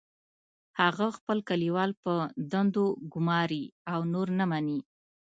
هغه خپل کلیوال په دندو ګماري او نور نه مني